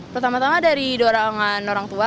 pertama tama dari dorongan orang tua